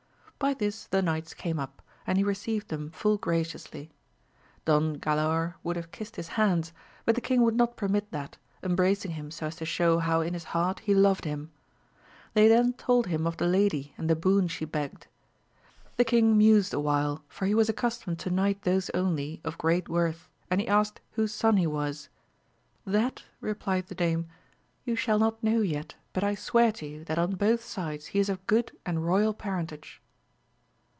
By this the knights came up, and he received them full graciously. Don Galaor would have kissed his hands, but the king would not permit that, embracing him so as to show how in his heart he loved him. They then told him of the lady and the boon she begged. The king mused awhile, for he was accustomed to knight those only of great worth ; and he asked whose son he was. That, replied the dame, you shall not know yet, but I swear to you that on both sides he is of good and royal parentage.